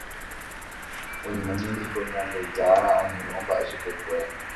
Oiméne niko Ñandejára oñyrõmba'e chupekuéra.